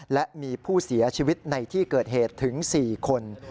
และมีผู้เสียชีวิตในที่เกิดเหตุถึง๔คน